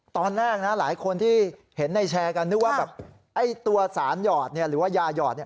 ตอนแรกนะหลายคนที่เห็นในแชร์กันนึกว่าแบบไอ้ตัวสารหยอดหรือว่ายาหยอดเนี่ย